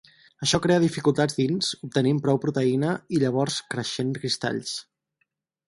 Això crea dificultats dins obtenint prou proteïna i llavors creixent cristalls.